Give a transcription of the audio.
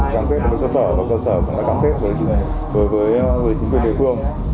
cam kết với cơ sở và cơ sở cũng đã cam kết với chính quyền địa phương